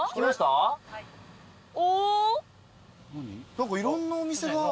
何かいろんなお店が。